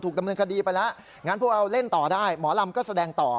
ดำเนินคดีไปแล้วงั้นพวกเราเล่นต่อได้หมอลำก็แสดงต่อ